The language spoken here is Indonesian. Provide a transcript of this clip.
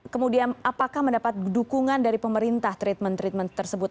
kemudian apakah mendapat dukungan dari pemerintah treatment treatment tersebut